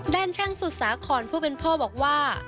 ด้านช่างสุสาครผู้เป็นพ่อบอกว่า